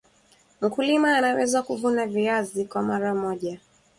mkulima anaweza kuvuna viazi kwa mara moja